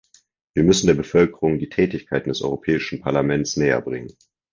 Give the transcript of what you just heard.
Wir müssen der Bevölkerung die Tätigkeiten des Europäischen Parlaments näher bringen.